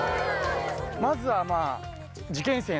まずは。